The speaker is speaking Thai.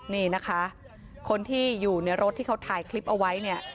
นี่นะคะคนที่อยู่ในรถที่เขาถ่ายคลิปเอาไว้เนี่ย